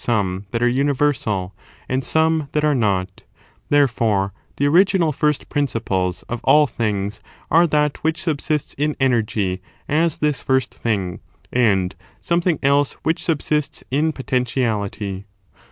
"° ^omc that are imiversal and some that are not; therefore, the original first principles of all things are that which subsists in energy as this first thing, and something else which subsists in potentiality.